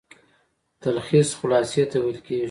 تلخیص خلاصې ته ويل کیږي.